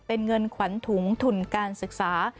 เป็นเงินขวัญถุงทุนการศึกษา